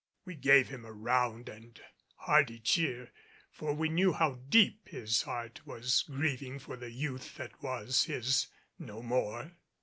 We gave him a round and hearty cheer, for we knew how deep his heart was grieving for the youth that was his no more.